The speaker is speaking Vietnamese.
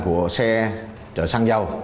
của xe chở xăng dầu